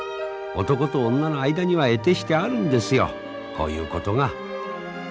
男と女の間にはえてしてあるんですよこういうことが。